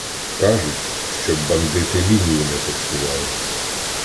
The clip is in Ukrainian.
Кажуть — щоб бандити лінію не попсували.